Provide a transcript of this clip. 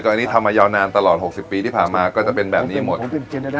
อันนี้ทำมายาวนานตลอด๖๐ปีที่ผ่านมาก็จะเป็นแบบนี้หมด